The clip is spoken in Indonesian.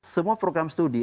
semua program studi